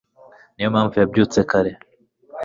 niyo mpamvu yabyutse kare